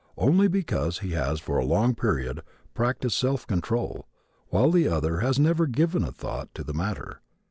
Only because one has for a long period practiced self control while the other has never given a thought to the matter.